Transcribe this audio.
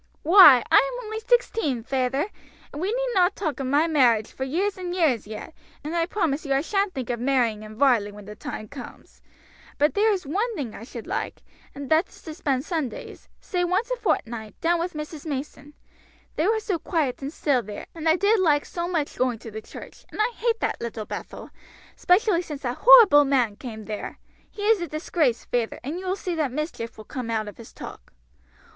"Why, I am only sixteen, feyther, and we need not talk of my marriage for years and years yet, and I promise you I shan't think of marrying in Varley when the time comes; but there is one thing I should like, and that is to spend Sundays, say once a fortnight, down with Mrs. Mason; they were so quiet and still there, and I did like so much going to the church; and I hate that Little Bethel, especially since that horrible man came there; he is a disgrace, feyther, and you will see that mischief will come out of his talk."